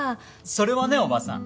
それはね叔母さん